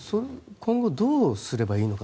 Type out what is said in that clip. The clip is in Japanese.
今後どうすればいいのか。